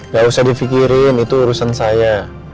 gak usah di fikirin itu urusan saya